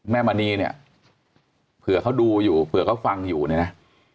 มณีเนี่ยเผื่อเขาดูอยู่เผื่อเขาฟังอยู่เนี่ยนะ